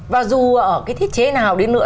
và dù ở cái thiết chế nào đến nữa